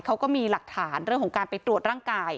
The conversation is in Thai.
เขาก็มีหลักฐานเรื่องของการไปตรวจร่างกาย